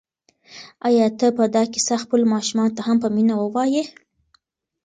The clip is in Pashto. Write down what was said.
آیا ته به دا کیسه خپلو ماشومانو ته هم په مینه ووایې؟